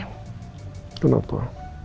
aku mau tidur